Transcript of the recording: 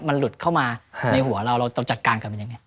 มันหลุดเข้ามาในหัวเราเราต้องจัดการกับมันยังไง